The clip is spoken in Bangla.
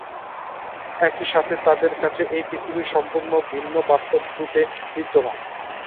একই সাথে তাদের কাছে এই পৃথিবী সম্পূর্ণ ভিন্ন-বাস্তবতারূপে বিদ্যমান।